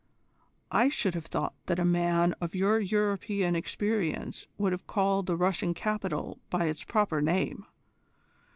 "I should have thought that a man of your European experience would have called the Russian capital by its proper name.